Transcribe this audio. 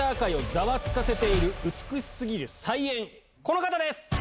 この方です！